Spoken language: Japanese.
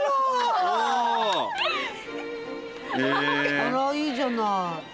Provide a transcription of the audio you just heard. あらいいじゃない。